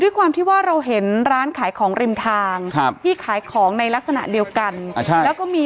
ความที่ว่าเราเห็นร้านขายของริมทางครับที่ขายของในลักษณะเดียวกันแล้วก็มี